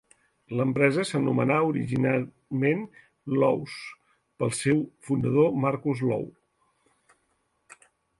L'empresa s'anomenà originalment "Loew's" pel seu fundador Marcus Loew.